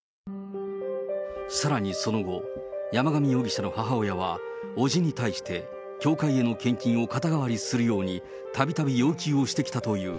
さらにその後、山上容疑者の母親は伯父に対して、教会への献金を肩代わりするように、たびたび要求をしてきたという。